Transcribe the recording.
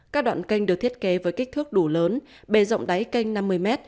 các đoạn canh được thiết kế với kích thước đủ lớn bề rộng đáy canh năm mươi m